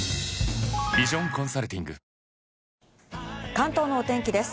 関東のお天気です。